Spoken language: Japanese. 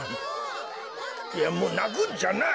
いやもうなくんじゃない。